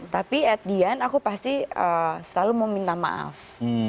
tapi at the end aku pasti selalu meminta maaf